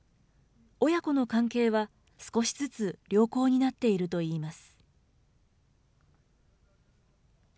親子の関係は少しずつ良好になっているといいます。